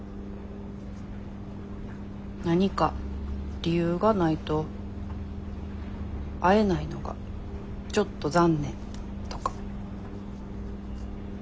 何か理由がないと会えないのがちょっと残念とか。